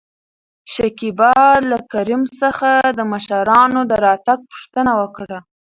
شکيبا له کريم څخه د مشرانو د راتګ پوښتنه وکړه.